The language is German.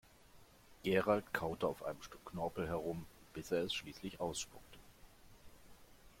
Gerald kaute auf einem Stück Knorpel herum, bis er es schließlich ausspuckte.